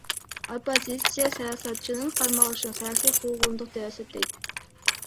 Оппозиция саясатчынын кармалышын саясий куугунтук деп эсептейт.